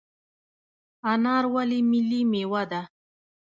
انار ولې ملي میوه ده؟